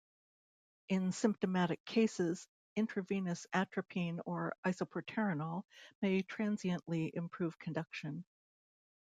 In symptomatic cases, intravenous atropine or isoproterenol may transiently improve conduction.